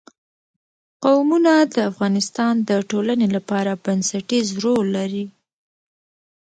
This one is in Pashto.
قومونه د افغانستان د ټولنې لپاره بنسټيز رول لري.